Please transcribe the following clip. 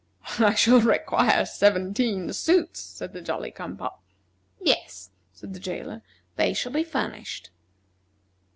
"I shall require seventeen suits," said the Jolly cum pop. "Yes," said the jailer, "they shall be furnished."